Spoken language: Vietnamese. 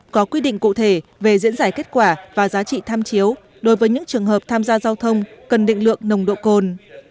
có quy định cụ thể về diễn giải kết quả và giá trị tham chiếu đối với những trường hợp tham gia giao thông cần định lượng nồng độ cồn